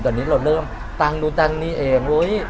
ตอนนี้เราเริ่มตั้งนู่นตั้งนี่เอง